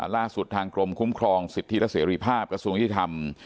ล่าสุดทางกรมคุ้มครองสิทธิและเสรีภาพกระทรวงยุติธรรม